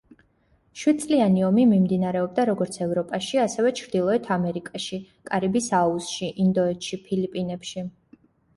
შვიდწლიანი ომი მიმდინარეობდა როგორც ევროპაში, ასევე ჩრდილოეთ ამერიკაში, კარიბის აუზში, ინდოეთში, ფილიპინებში.